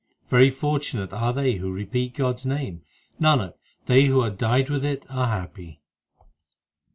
Very fortunate are they who repeat God s name ; Nanak, they who are dyed with it are happy.